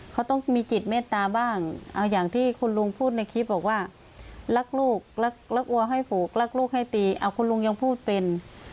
เขาต้องมีจิตเมตตาบ้างอย่างที่คุณลุงพูดในคลิปบอกว่ารักลูกรักอัวให้ผูกรักลูกให้ตีคุณลุงยังพูดเป็น